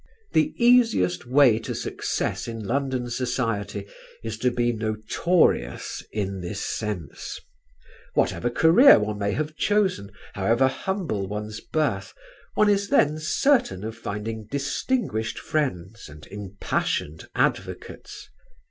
The easiest way to success in London society is to be notorious in this sense. Whatever career one may have chosen, however humble one's birth, one is then certain of finding distinguished friends and impassioned advocates.